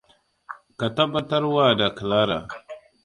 Ka tabbatarwa da Clara.